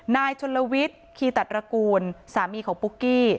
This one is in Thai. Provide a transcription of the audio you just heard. นายชนลวิทย์คีตัดตระกูลสามีของปุ๊กกี้